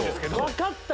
分かった！